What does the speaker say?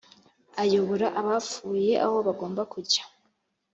ayobora abapfuye aho bagomba kujya